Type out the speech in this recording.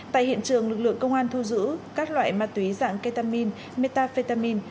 tại hiện trường lực lượng công an thu giữ các loại ma túy dạng ketamine metafetamine